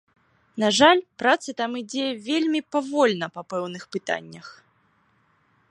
На жаль, праца там ідзе вельмі павольна па пэўных пытаннях.